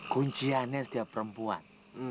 kunciannya setiap perempuan